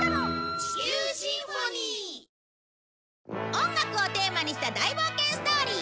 音楽をテーマにした大冒険ストーリー！